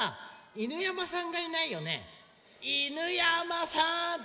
犬山さん！